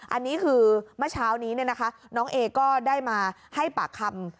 อันนี้คือเมื่อเช้านี้น้องเอก็ได้มาให้ปากคำ